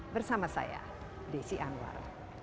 bersama saya desi anwar